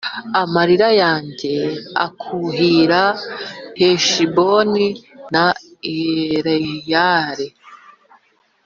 amarira yanjye akuhira Heshiboni na Eleyale,